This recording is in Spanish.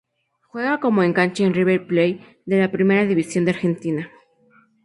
Juega como enganche en River Plate de la Primera División de Argentina.